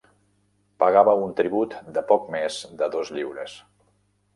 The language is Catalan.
Pagava un tribut de poc més de dos lliures.